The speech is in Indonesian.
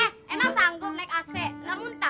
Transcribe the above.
eh enak aja lu siaran lu